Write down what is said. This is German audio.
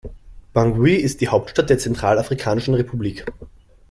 Bangui ist die Hauptstadt der Zentralafrikanischen Republik.